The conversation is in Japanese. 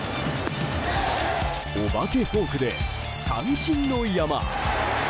お化けフォークで三振の山。